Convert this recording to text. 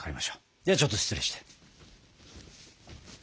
ではちょっと失礼して。